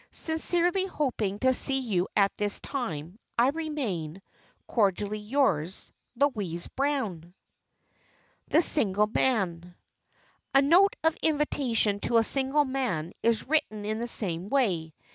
Sincerely hoping to see you at that time, I remain, "Cordially yours, "Louise Brown." [Sidenote: THE SINGLE MAN] A note of invitation to a single man is written in the same way.